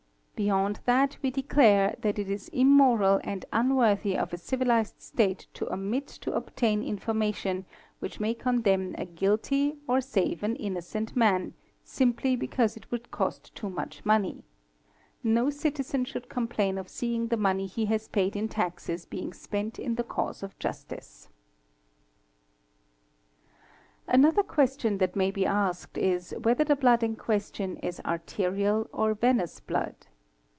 Beyond that we declare that it is immoral and unworthy of a civilized state to omit to obtain information which may condemn a guilty or save an innocent '' i mee man, simply because it would cost too much money ; no citizen should complain of seeing the money he has paid in taxes being spent in the |. cause of justice. Another question that may be asked is whether the blood in question — is arterial or venous blood?